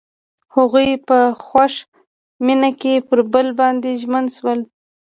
هغوی په خوښ مینه کې پر بل باندې ژمن شول.